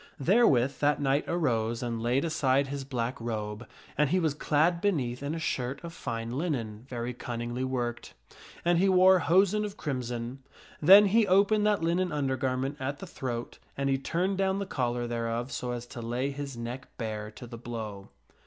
Therewith that knight arose and laid aside his black robe, and he was clad beneath in a shirt of fine linen very cunningly worked. And he wore hosen of crimson. Then he opened that linen undergarment at the throat and he turned down the collar thereof so as to lay his neck bare to the blow.